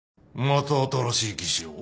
また新しい技師を？